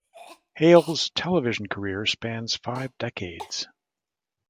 Hale's television career spans five decades.